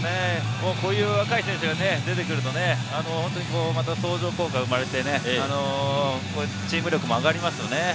若い選手が出てくるとね、相乗効果が生まれて、チーム力も上がりますよね。